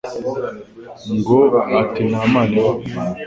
ngo ati Nta Mana ibaho